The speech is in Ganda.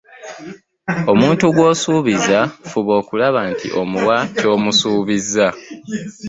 Omuntu gw’osuubiza fuba okulaba nti omuwa ky'omusuubizza.